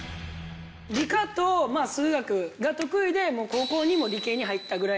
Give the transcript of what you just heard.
理科とまあ数学が得意で高校にも理系に入ったぐらいなんで。